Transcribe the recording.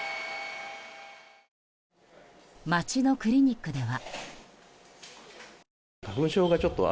街のクリニックでは。